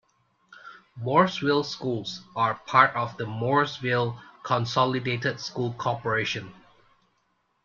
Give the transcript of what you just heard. Mooresville schools are part of the Mooresville Consolidated School Corporation.